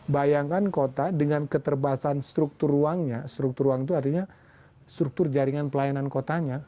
bayangkan kota dengan keterbatasan struktur ruangnya struktur ruang itu artinya struktur jaringan pelayanan kotanya